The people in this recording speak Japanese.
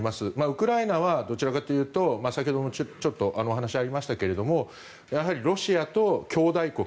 ウクライナはどちらかというと先ほどもちょっとお話がありましたがやはりロシアと兄弟国